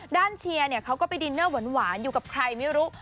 เชียร์เขาก็ไปดินเนอร์หวานอยู่กับใครไม่รู้